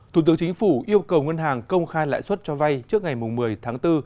thủ tướng chính phủ yêu cầu ngân hàng công khai lãi suất cho vay trước ngày một mươi tháng bốn